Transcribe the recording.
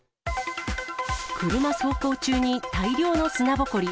車走行中に大量の砂ぼこり。